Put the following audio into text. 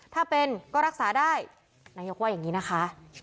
ถ้าเป็นก็รักษาได้นายกว่าอย่างนี้นะคะ